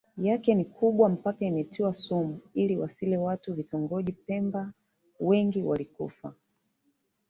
yake ni kubwa mpaka imetiwa sumu ili wasile watu Vitongoji Pemba wengi walikufa